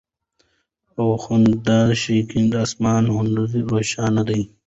او خندان شينكى آسمان هنوز روښان دى